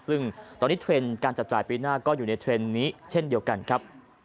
ซึ่งตอนนี้เทรนด์การจับจ่ายปีหน้าก็อยู่ในเทรนด์นี้เช่นเดียวกันครับ